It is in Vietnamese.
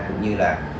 cũng như là